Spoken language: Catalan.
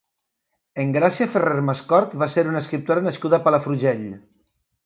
Engràcia Ferrer Mascort va ser una escriptora nascuda a Palafrugell.